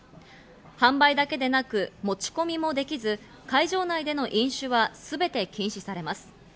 販売だけでなく持ち込みもできず、会場内での飲酒はすべて禁止されます。